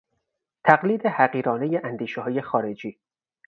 تقلید حقیرانهی اندیشههای خارجی